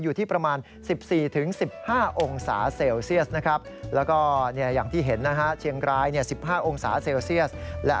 อยู่ที่ประมาณ๑๔๑๕องศาเซลเซียส